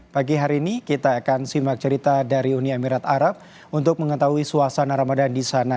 pagi hari ini kita akan simak cerita dari uni emirat arab untuk mengetahui suasana ramadan di sana